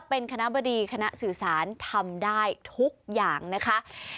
เป็นคณะบดีคณะสื่อสารทำได้ทุกอย่างนะคะ